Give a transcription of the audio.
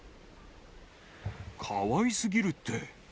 かわいすぎるって。